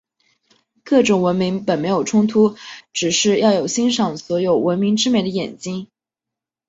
各种文明本没有冲突，只是要有欣赏所有文明之美的眼睛。